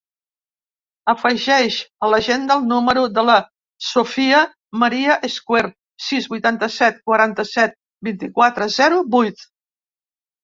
Afegeix a l'agenda el número de la Sofia maria Escuer: sis, vuitanta-set, quaranta-set, vint-i-quatre, zero, vuit.